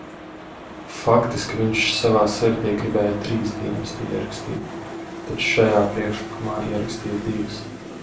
Faktiski viņš savā sirdī gribēja trīs dienas te ierakstīt, taču šajā priekšlikumā ierakstīja divas.